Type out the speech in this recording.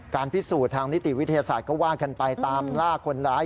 พิสูจน์ทางนิติวิทยาศาสตร์ก็ว่ากันไปตามล่าคนร้าย